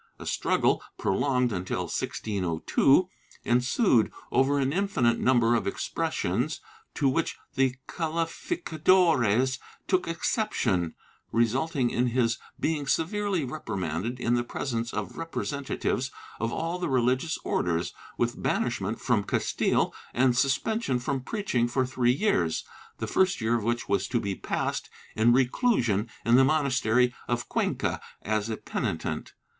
A struggle, prolonged until 1602, ensued over an infinite number of expressions to which the calificadores took exception, resulting in his being severely reprimanded in the presence of representatives of all the religious Orders, with banishment from Castile and sus pension from preaching for three years, the first year of which was to be passed in reclusion in the monastery of Cuenca as a penitent.